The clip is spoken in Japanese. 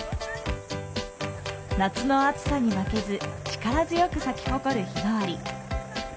夏の暑さに負けず、力強く咲き誇るヒマワリ。